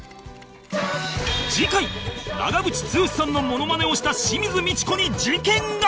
次回長渕剛さんのモノマネをした清水ミチコに事件が！